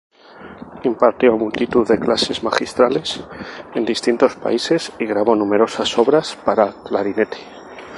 Impartió multitud de clases magistrales en distintos países y grabó numerosas obras para clarinete.